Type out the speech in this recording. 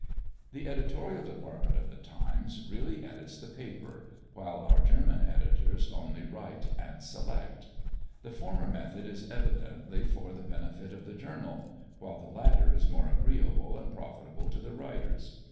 The editorial department of the Times really edits the paper, while our German editors only write and select. The former method is evidently for the benefit of the journal, while the latter is more agreeable and profitable to the writers.